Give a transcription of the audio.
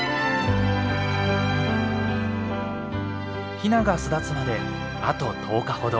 ヒナが巣立つまであと１０日ほど。